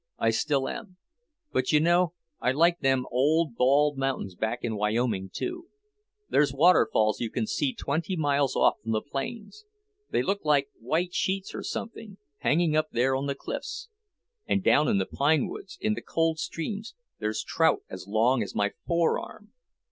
I still am. But, you know, I like them old bald mountains back in Wyoming, too. There's waterfalls you can see twenty miles off from the plains; they look like white sheets or something, hanging up there on the cliffs. And down in the pine woods, in the cold streams, there's trout as long as my fore arm."